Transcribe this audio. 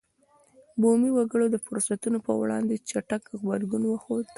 بومي وګړو د فرصتونو پر وړاندې چټک غبرګون وښود.